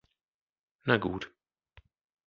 Na gut!